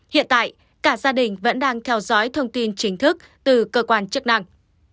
hiện tại cả gia đình vẫn đang theo dõi thông tin chính thức từ cơ quan chức năng